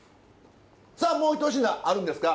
さあもうひと品あるんですか？